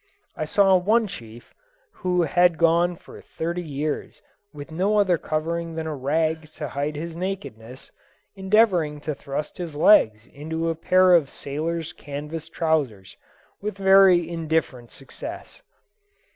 I saw one chief, who had gone for thirty years with no other covering than a rag to hide his nakedness, endeavouring to thrust his legs into a pair of sailor's canvas trousers with very indifferent success.